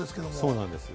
そうなんです。